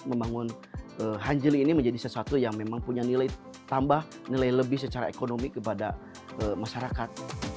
membangun hanjeli ini menjadi sesuatu yang memang punya nilai tambah nilai lebih secara ekonomi kepada masyarakat